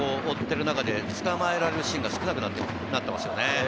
ちょっと追っている中で捕まえられるシーンが少なくなっていますね。